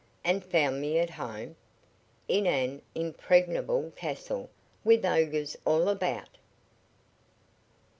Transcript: "And found me at home!" "In an impregnable castle, with ogres all about."